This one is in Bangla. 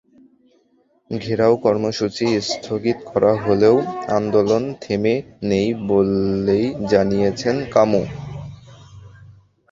ঘেরাও কর্মসূচি স্থগিত করা হলেও আন্দোলন থেমে নেই বলেই জানিয়েছেন কামু।